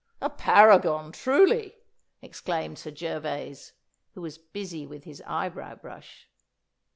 'A paragon, truly!' exclaimed Sir Gervas, who was busy with his eyebrow brush.